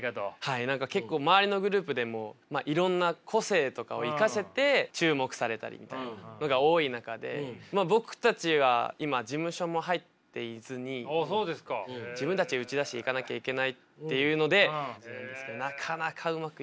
結構周りのグループでもいろんな個性とかを生かせて注目されたりみたいなのが多い中で僕たちは今事務所も入っていずに自分たちで打ち出していかなきゃいけないっていうのでなかなかうまくいかない。